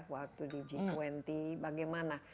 waktu di g dua puluh bagaimana